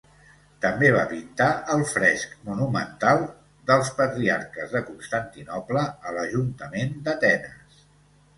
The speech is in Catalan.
També va pintar el fresc monumental dels Patriarques de Constantinoble a l'ajuntament d'Atenes.